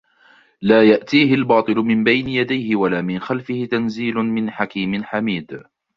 لا يأتيه الباطل من بين يديه ولا من خلفه تنزيل من حكيم حميد